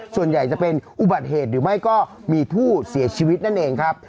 ส่วนใหญ่จะเป็นอุบัติเหตุหรือไม่ก็มีผู้เสียชีวิตนั่นเองครับ